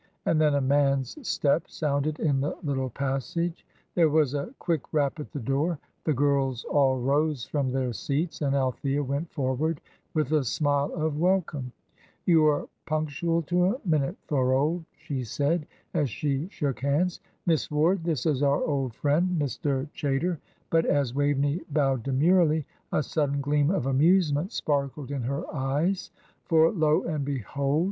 And then a man's step sounded in the little passage. There was a quick rap at the door, the girls all rose from their seats, and Althea went forward with a smile of welcome. "You are punctual to a minute, Thorold," she said, as she shook hands. "Miss Ward, this is our old friend, Mr. Chaytor;" but as Waveney bowed demurely, a sudden gleam of amusement sparkled in her eyes; for lo and behold!